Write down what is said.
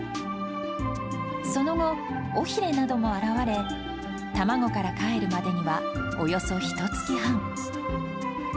その後、尾ひれなども現れ、卵からかえるまでにはおよそひとつき半。